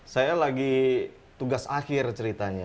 saya lagi tugas akhir ceritanya